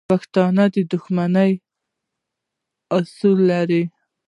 پښتون د دښمنۍ اصول لري.